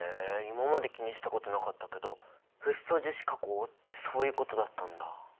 今まで気にしたことなかったけどフッ素樹脂加工ってそういうことだったんだ。